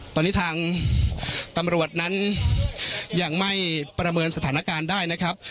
ตอนนี้ทางตำรวจนั้นยังไม่ประเมินสถานการณ์ได้นะครับ